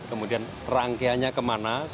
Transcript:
kemudian rangkeanya kemana